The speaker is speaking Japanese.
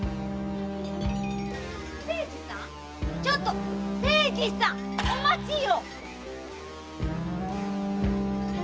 ちょっとお待ちよ！